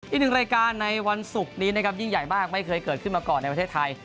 อีกหนึ่งรายการในวันศุกร์นี้นะครับยิ่งใหญ่มากไม่เคยเกิดขึ้นมาก่อนในประเทศไทย